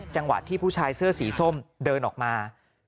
จังหวะที่ผู้ชายเสื้อสีส้มเดินออกมา